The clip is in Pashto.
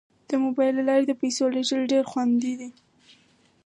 د موبایل له لارې د پيسو لیږل ډیر خوندي دي.